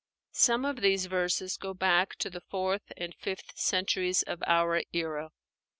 Some of these verses go back to the fourth and fifth centuries of our era.